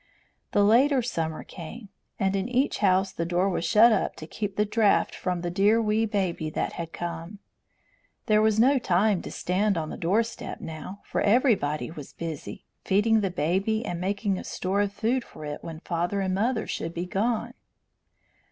The later summer came, and in each house the door was shut to keep the draught from the dear wee baby that had come. There was no time to stand on the doorstep now, for everybody was busy, feeding the baby and making a store of food for it when father and mother should be gone.